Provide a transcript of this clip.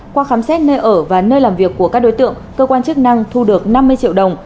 qua khám xét nơi ở và nơi làm việc của các đối tượng cơ quan chức năng thu được năm mươi triệu đồng